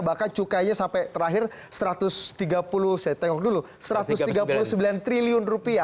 bahkan cukainya sampai terakhir rp satu ratus tiga puluh sembilan triliun